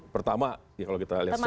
pertama ya kalau kita lihat sekarang